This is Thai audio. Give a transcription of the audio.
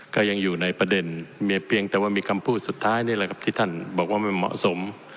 ก็ยังอยู่ในประเด็นมีเพียงแต่ว่ามีคำพูดสุดท้ายนี่แหละครับที่ท่านบอกว่าไม่เหมาะสม